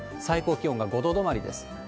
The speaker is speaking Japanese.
最高気温が５度止まりです。